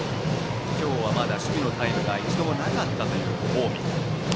今日はまだ守備のタイムが一度もなかったという近江。